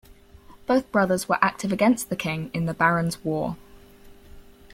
Both brothers were active against the King in the Baron's War.